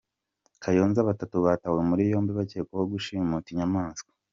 Kayonza Batatu batawe muri yombi bakekwaho gushimuta inyamaswa